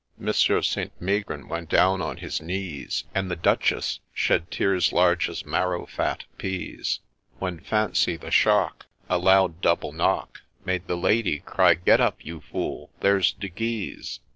— Monsieur St. Megrin went down on his knees, And the Duchess shed tears large as marrow fat peas, When, — fancy the shock, — A loud double knock, Made the Lady cry ' Get up, you fool !— there 's De Guise